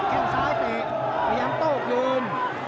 แค่งซ้ายเตะพยายามโต้คืน